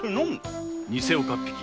偽岡っ引